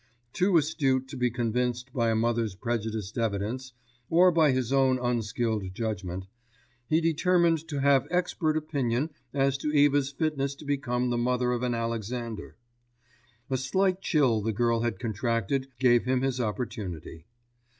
Too astute to be convinced by a mother's prejudiced evidence, or by his own unskilled judgment, he determined to have expert opinion as to Eva's fitness to become the mother of an Alexander. A slight chill the girl had contracted gave him his opportunity.